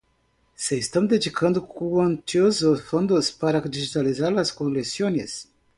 Se están dedicando cuantiosos fondos para digitalizar las colecciones.